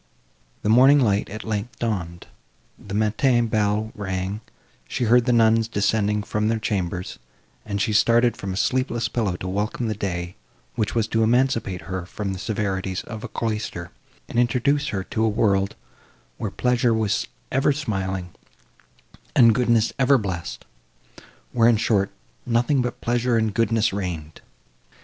The morning light, at length, dawned; the matin bell rang; she heard the nuns descending from their chambers, and she started from a sleepless pillow to welcome the day, which was to emancipate her from the severities of a cloister, and introduce her to a world, where pleasure was ever smiling, and goodness ever blessed—where, in short, nothing but pleasure and goodness reigned!